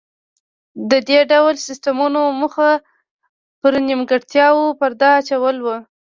د دې ډول سیستمونو موخه پر نیمګړتیاوو پرده اچول و